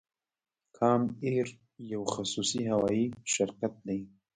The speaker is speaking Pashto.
کام ایر یو خصوصي هوایی شرکت دی